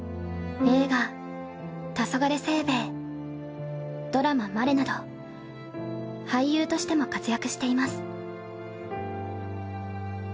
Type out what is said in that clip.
映画『たそがれ清兵衛』ドラマ『まれ』など俳優としても活躍しています。